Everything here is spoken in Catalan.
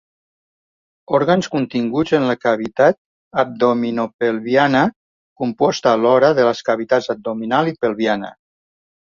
Òrgans continguts en la cavitat abdominopelviana, composta alhora de les cavitats abdominal i pelviana.